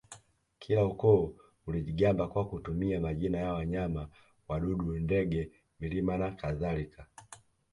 Kila ukoo ulijigamba kwa kutumia majina ya wanyama wadudu ndege milima na kadhalika